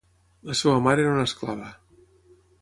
La seva mare era una esclava.